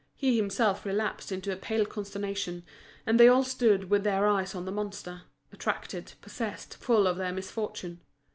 He himself relapsed into a pale consternation; and they all stood with their eyes on the monster, attracted, possessed, full of their misfortune.